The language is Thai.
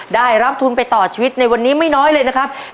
ได้รับทุนไปต่อชีวิตในวันนี้ไม่น้อยเลยนะครับ